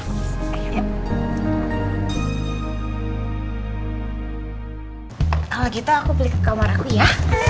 kalau gitu aku beli ke kamar aku ya